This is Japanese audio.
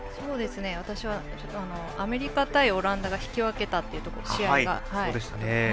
私はアメリカ対オランダが引き分けた試合が。